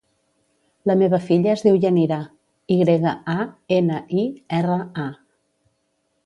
La meva filla es diu Yanira: i grega, a, ena, i, erra, a.